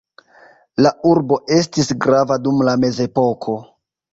La urbo estis grava dum la Mezepoko.